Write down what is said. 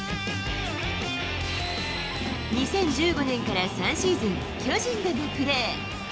２０１５年から３シーズン、巨人でもプレー。